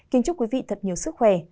kính chúc quý vị thật nhiều sức khỏe